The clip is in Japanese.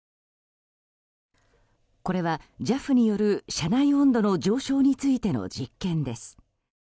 これはＪＡＦによる車内温度の上昇についての実験です。